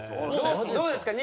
どうですか？